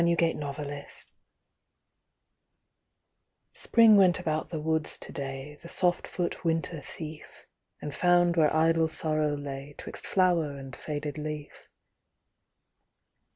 _ SPRING'S BEDFELLOW Spring went about the woods to day, The soft foot winter thief, And found where idle sorrow lay 'Twixt flower and faded leaf.